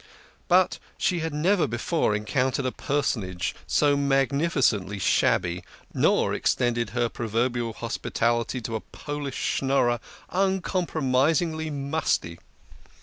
But she had never before encountered a personage so magnificently shabby, nor ex tended her proverbial hospitality to a Polish Schnorrer un compromisingly musty.